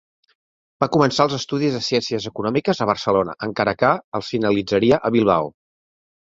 Va començar els estudis de Ciències Econòmiques a Barcelona, encara que els finalitzaria a Bilbao.